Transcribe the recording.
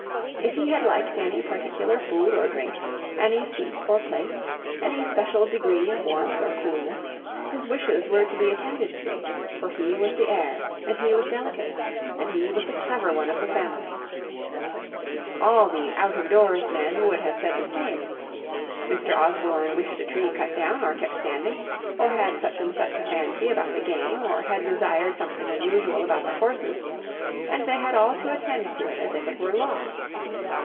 If he had liked any particular food or drink, any seat or place, any special degree of warmth or coolness, his wishes were to be attended to; for he was the heir, and he was delicate, and he was the clever one of the family. All the out of doors men would have said the same. Mr. Osborne wished a tree cut down, or kept standing, or had such and such a fancy about the game, or desired something unusual about the horses; and they had all to attend to it as if it were law.